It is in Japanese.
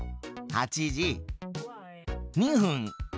８時２分。